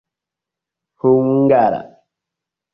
hungara